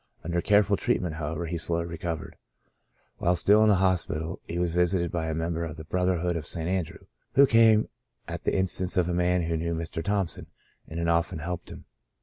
Under careful treat ment, however, he slowly recovered. While still in the hospital he was visited by a mem ber of the Brotherhood of St. Andrew, who came at the instance of a man who knew Mr. Thompson and had often helped him.